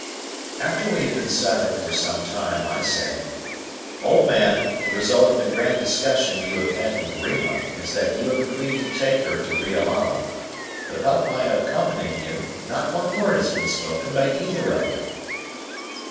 After we had been silent for some time, I said: "Old man, the result of the grand discussion you have had with Rima is that you have agreed to take her to Riolama, but about my accompanying you not one word has been spoken by either of you."